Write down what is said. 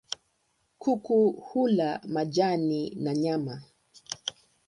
Kuku hula majani na nyama.